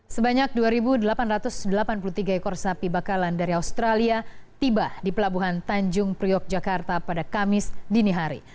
sebanyak dua delapan ratus delapan puluh tiga ekor sapi bakalan dari australia tiba di pelabuhan tanjung priok jakarta pada kamis dini hari